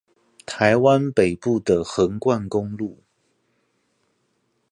臺灣北部的橫貫公路